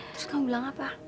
terus kamu bilang apa